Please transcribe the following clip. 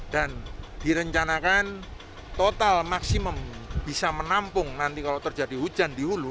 dan direncanakan total maksimum bisa menampung nanti kalau terjadi hujan di hulu